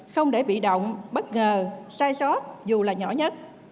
không để bị động bất ngờ sai sót dù là nhỏ nhất